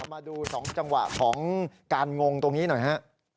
มาดู๒จังหวะของการงงตรงนี้หน่อยฮะ